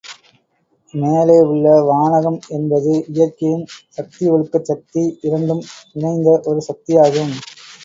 மேலே உள்ள வானகம் என்பது இயற்கையின் சக்தி ஒழுக்கச் சக்தி, இரண்டும் இணைந்த ஒரு சக்தியாகும்.